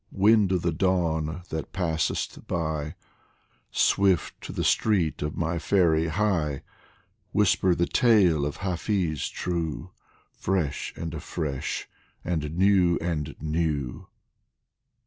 Wind of the dawn that passest by, Swift to the street of my fairy hie, Whisper the tale of Hafiz true, Fresh and afresh and new and new